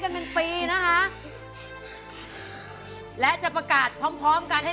โปรดติดตามตอนต่อไป